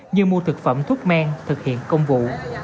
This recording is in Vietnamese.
như mua thực phẩm thuốc men thực hiện công vụ